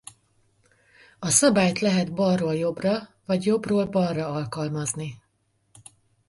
A szabályt lehet balról jobbra vagy jobbról balra alkalmazni.